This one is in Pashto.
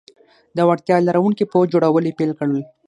د وړتیا لرونکي پوځ جوړول یې پیل کړل.